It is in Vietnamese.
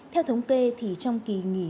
theo thống kê thì trong kỳ nghỉ